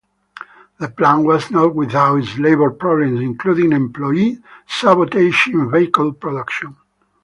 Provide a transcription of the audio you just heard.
The plant was not without its labor problems, including employee sabotage in vehicle production.